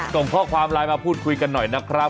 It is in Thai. ส่งข้อความไลน์มาพูดคุยกันหน่อยนะครับ